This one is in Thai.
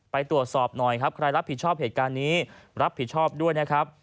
ไปตรวจสอบหน่อยครับใครรับผิดชอบเหตุการณ์นี้รับผิดชอบด้วยนะครับ